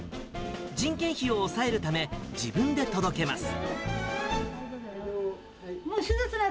人件費を抑えるため、自分で届けます。